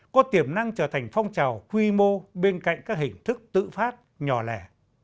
có tiềm năng trở thành phong trào quy mô bên cạnh các hình thức tự phát nhỏ lẻ